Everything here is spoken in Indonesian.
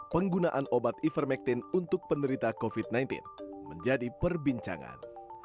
penggunaan obat ivermectin untuk penderita covid sembilan belas menjadi perbincangan